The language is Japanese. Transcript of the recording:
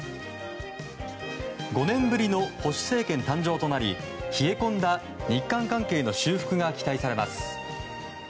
５年ぶりの保守政権誕生となり冷え込んだ日韓関係の修復が期待されます。